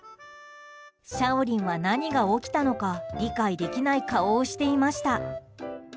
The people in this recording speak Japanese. シャオリンは、何が起きたのか理解できない顔をしていました。